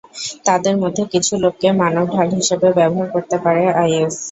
তাদের মধ্যে কিছু লোককে মানব ঢাল হিসেবে ব্যবহার করতে পারে আইএস।